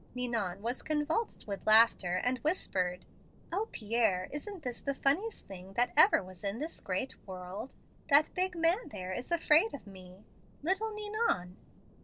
Ninon was convulsed with laughter and whispered, 'O Pierre, isn't this the funniest thing that ever was in this great world? That big man there is afraid of me, little Ninon.'